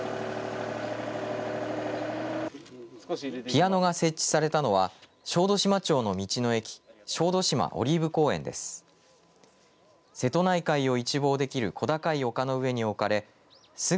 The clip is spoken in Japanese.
ピアノが設置されたのは小豆島町の道の駅小豆島オリーブ公園です。